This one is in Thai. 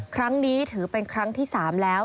ครั้งนี้ถือเป็นครั้งที่๓แล้ว